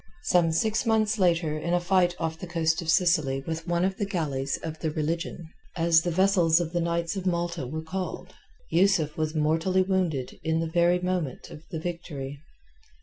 Some six months later in a fight off the coast of Sicily with one of the galleys of the Religion—as the vessels of the Knights of Malta were called—Yusuf was mortally wounded in the very moment of the victory.